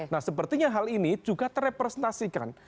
nah sepertinya hal ini juga terrepresentasikan